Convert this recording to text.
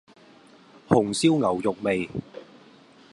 紅燒牛肉味